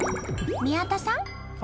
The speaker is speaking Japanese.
宮田さん！